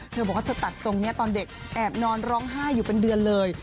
เธอบอกว่าเธอตัดทรงนี้ตอนเด็กแอบนอนร้องไห้อยู่เป็นเดือนเลย